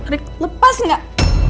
rik lepas gak